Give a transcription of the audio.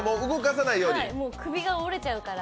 首が折れちゃうから。